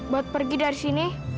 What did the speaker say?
buat pergi dari sini